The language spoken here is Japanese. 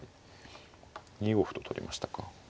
２五歩と取りましたか。